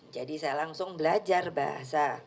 saya langsung belajar bahasa